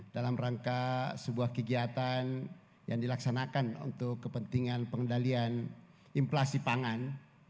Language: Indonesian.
dalam rangka sebuah kegiatan yang dilaksanakan untuk kepentingan pengendalian inflasi pangan